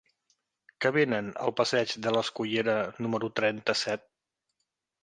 Què venen a la passeig de l'Escullera número trenta-set?